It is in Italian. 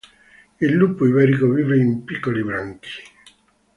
Il lupo iberico vive in piccoli branchi.